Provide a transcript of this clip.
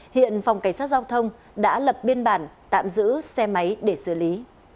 hiện phòng cảnh sát giao thông đã lập biên bản tạm giữ xe máy để xử lý